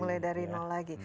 mulai dari nol lagi